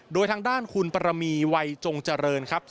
โดยทางด้านคุณปรมีวัยจงเจริญครับ